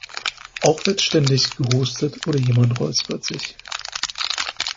Auch wird ständig gehustet oder jemand räuspert sich.